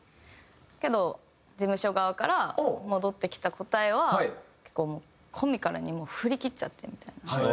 けど事務所側から戻ってきた答えは結構コミカルに振り切っちゃってみたいな。